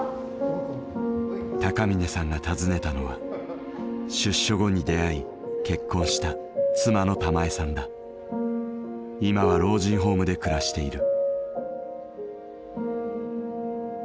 高峰さんが訪ねたのは出所後に出会い結婚した今は老人ホームで暮らしている。